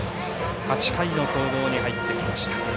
８回の攻防に入ってきました。